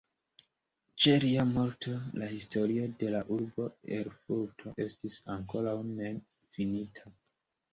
Ĉe lia morto la "Historio de la urbo Erfurto" estis ankoraŭ nefinita.